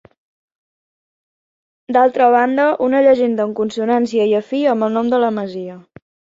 D'altra banda, una llegenda en consonància i afí amb el nom de la masia.